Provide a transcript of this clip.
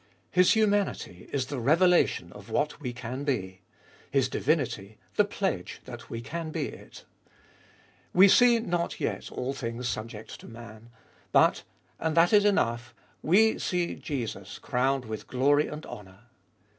His humanity is the revela tion of what we can be ; His divinity the pledge that we can be it. We see not yet all things subject to man, but, and that is enough, we see Jesus crowned with glory and honour.